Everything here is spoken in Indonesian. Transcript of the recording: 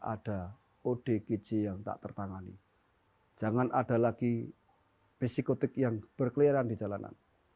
ada kode kece yang tak tertangani jangan ada lagi fisikotik yang berkeliran di jalanan